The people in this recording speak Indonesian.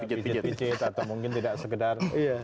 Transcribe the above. atau mungkin tidak sekedar